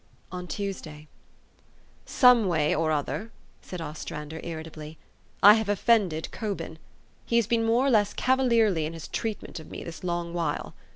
"On Tuesday." " Some way or other," said Ostrander irritably, " I have offended Cobin. He has been more or less cavalierly in his treatment of me this long while.